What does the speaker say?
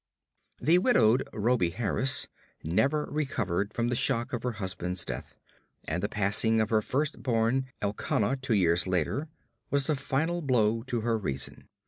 The widowed Rhoby Harris never recovered from the shock of her husband's death, and the passing of her first born Elkanah two years later was the final blow to her reason.